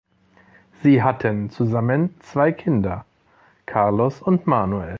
Sie hatten zusammen zwei Kinder: Carlos and Manuel.